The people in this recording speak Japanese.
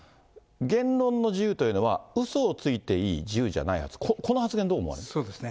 言論の自由というのは、うそをついていい自由じゃないはず、この発言、どう思われますか。